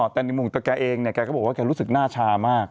แต่ในมุมตัวแกเองเนี่ยแกก็บอกว่าแกรู้สึกหน้าชามาก